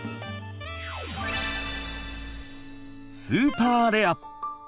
スーパーレア！